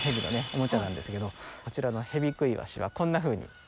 おもちゃなんですけどこちらのヘビクイワシはこんなふうに。